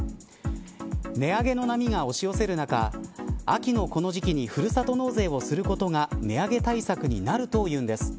値上げの波が押し寄せる中秋のこの時期にふるさと納税をすることが値上げ対策になるというんです。